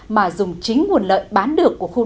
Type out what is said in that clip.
mà dùng chính nguồn lợi bán được của khu vực